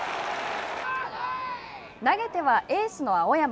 投げてはエースの青山。